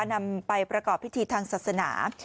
นำไปประกอบพิธีทางศาสนา